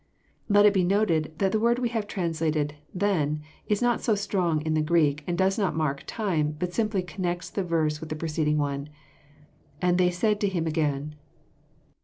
Let it be noted, that the word we have translated " then is not so strong in the Greek, and does not mark time, but simply connects the verse with the preceding one. '' And they said to him again."